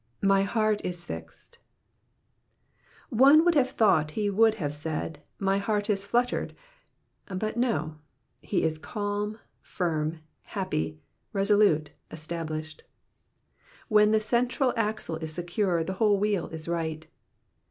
*' My "heart U fixed,'''' One would have thought he would have said, My heart is fluttered ;" but no, he is cahn, firm, happy, resolute, established. When the central axle is secure, the whole wheel is right.